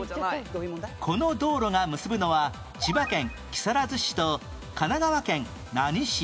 この道路が結ぶのは千葉県木更津市と神奈川県何市？